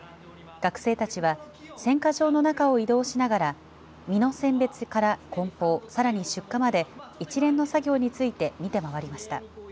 学生たちは選果場の中を移動しながら実の選別からこん包さらに出荷まで一連の作業について見て回りました。